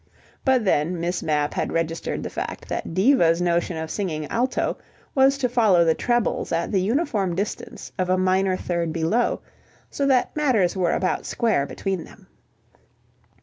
But then, Miss Mapp had registered the fact that Diva's notion of singing alto was to follow the trebles at the uniform distance of a minor third below, so that matters were about square between them.